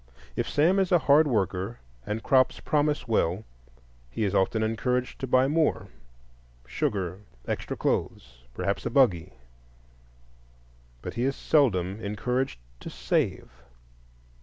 If Sam is a hard worker and crops promise well, he is often encouraged to buy more,—sugar, extra clothes, perhaps a buggy. But he is seldom encouraged to save.